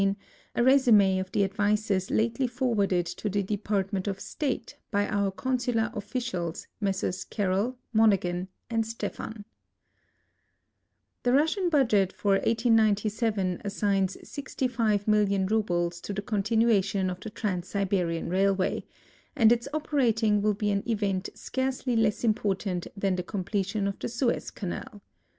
\e a resum^ of the advices lately forwarded to the Dej)artment of State by our consular officials, Messrs Karel, Monaghan, and Steplian. The Russian budget for 1897 assigns 65,000,000 rubles to the continuation of the Trans Siberian railway, and its opening will be an event scarcely less important than tlie completion of the Suez canal.